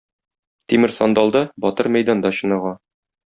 Тимер сандалда, батыр мәйданда чыныга.